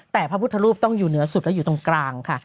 แต่พระพุทธรูปต้องอยู่เหนือสุดและอยู่ตรงกลางค่ะ